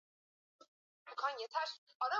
Nafsi yangu, naiinua mbele zako.